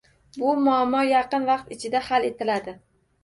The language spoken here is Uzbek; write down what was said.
Bu muammo yaqin vaqt ichida hal etiladi.